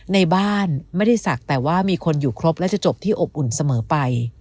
ในบ้านไม่ได้ศักดิ์แต่ว่ามีคนอยู่ครบและจะจบที่อบอุ่นเสมอไป